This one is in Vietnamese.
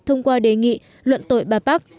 thông qua đề nghị luận tội bà park